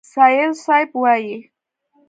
سایل صیب وایي: